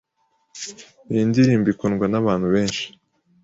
Iyi ndirimbo ikundwa nabantu benshi.